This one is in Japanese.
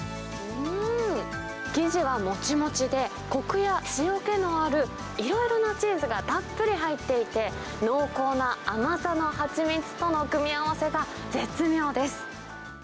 生地はもちもちで、こくや塩気のある、いろいろなチーズがたっぷり入っていて、濃厚な甘さの蜂蜜との組み合わせが絶妙です。